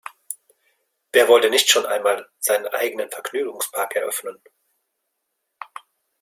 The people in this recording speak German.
Wer wollte nicht schon einmal seinen eigenen Vergnügungspark eröffnen?